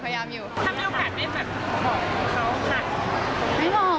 ถ้ามีโอกาสได้แบบขอบคุณเขาค่ะ